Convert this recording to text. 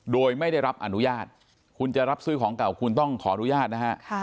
โดยไม่ได้รับอนุญาตคุณจะรับซื้อของเก่าคุณต้องขออนุญาตนะฮะ